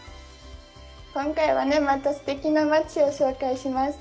今回はね、またすてきな街を紹介します。